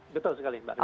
betul sekali mbak